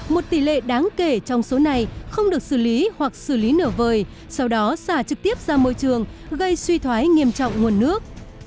một tỷ lệ đáng kể trong số này không được xử lý hoặc xử lý nửa vời sau đó xả trực tiếp ra môi trường gây suy thoái nghiêm trọng nguồn nước